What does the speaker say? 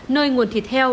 nơi nguồn thịt heo